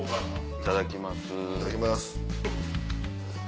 いただきます。